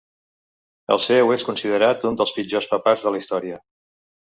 El seu és considerat un dels pitjors papats de la història.